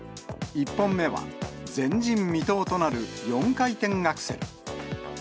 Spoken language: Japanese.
１本目は前人未到となる４回転アクセル。